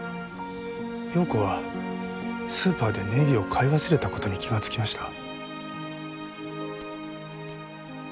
葉子はスーパーでネギを買い忘れたことに気がつきました。